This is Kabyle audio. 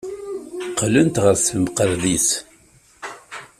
Qqlent ɣer temkarḍit.